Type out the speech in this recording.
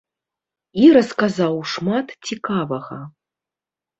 І расказаў шмат цікавага.